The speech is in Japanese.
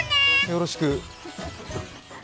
よろしく。